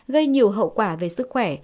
gây nhiều hậu quả về sức khỏe